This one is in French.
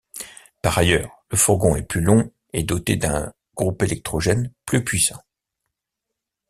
Par ailleurs, le fourgon est plus long et doté d'un groupe électrogène plus puissant.